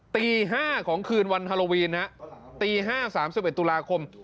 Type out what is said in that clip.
ตีห้าของคืนวันฮาโลวีนนะตีห้า๓๑ตุลาคม